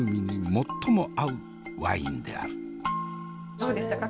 どうでしたか？